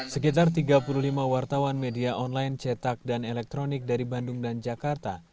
sekitar tiga puluh lima wartawan media online cetak dan elektronik dari bandung dan jakarta